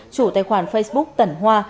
chủ tài khoản facebook tẩn hoa